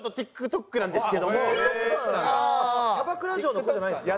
キャバクラ嬢の子じゃないんですか？